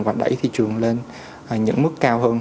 và đẩy thị trường lên những mức cao hơn